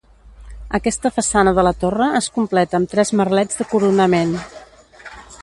Aquesta façana de la torre es completa amb tres merlets de coronament.